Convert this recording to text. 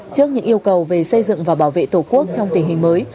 trước những yêu cầu về xây dựng và bảo vệ tổ quốc trong tình hình mới